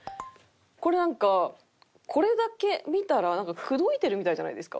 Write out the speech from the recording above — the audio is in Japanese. これなんかこれだけ見たらなんか口説いてるみたいじゃないですか？